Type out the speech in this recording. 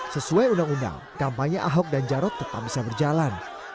sesuai undang undang kampanye ahok dan jarot tetap bisa berjalan